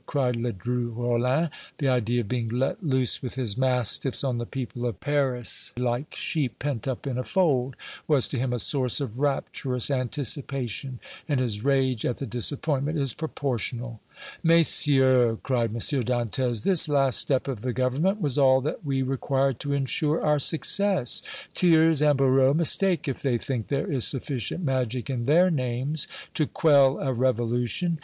cried Ledru Rollin. "The idea of being let loose with his mastiffs on the people of Paris, like sheep pent up in a fold, was to him a source of rapturous anticipation, and his rage at the disappointment is proportional!" "Messieurs!" cried M. Dantès, "this last step of the Government was all that we required to insure our success. Thiers and Barrot mistake if they think there is sufficient magic in their names to quell a revolution.